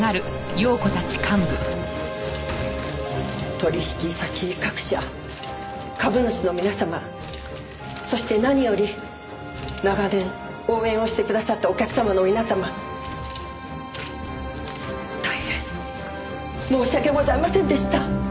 取引先各社株主の皆様そして何より長年応援をしてくださったお客様の皆様大変申し訳ございませんでした。